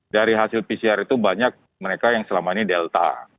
dari hasil pcr itu banyak mereka yang selama ini delta